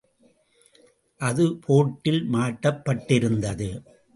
அது போர்டில் மாட்டப்பட்டிருந்தது.